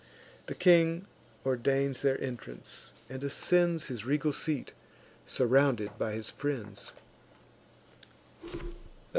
The king ordains their entrance, and ascends His regal seat, surrounded by his friends.